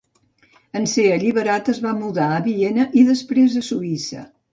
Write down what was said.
En ser alliberat es va mudar a Viena, i després a Suïssa.